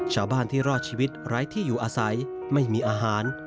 ชาวบ้านที่รอดชีวิตไร้ที่อยู่อาศัยไม่มีอาหาร